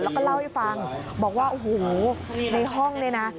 แล้วก็เล่าให้ฟังบอกว่าโอ้โหในห้องเนี่ยนะ